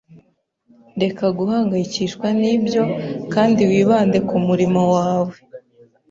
Reka guhangayikishwa nibyo kandi wibande kumurimo wawe.